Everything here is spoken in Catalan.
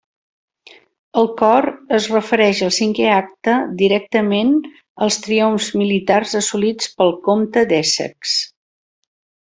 El Cor es refereix al cinquè acte directament als triomfs militars assolits pel comte d'Essex.